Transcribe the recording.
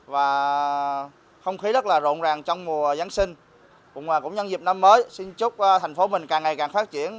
và không khí rất là rộn ràng trong mùa giáng sinh cũng nhân dịp năm mới xin chúc thành phố mình càng ngày càng phát triển